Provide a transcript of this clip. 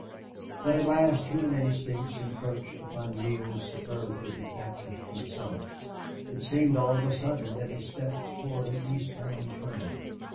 But at last human instincts encroached upon Neale's superlative detachment from self. It seemed all of a sudden that he stepped toward an east bound train.